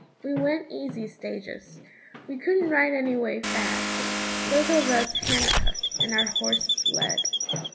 We went easy stages we couldn't ride any way fast both of us handcuffed, and our horses led.